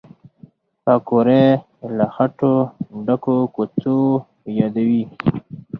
پکورې له خټو ډکو کوڅو یادوي